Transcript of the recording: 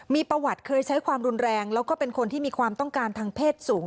มีประวัติเคยใช้ความรุนแรงแล้วก็เป็นคนที่มีความต้องการทางเพศสูง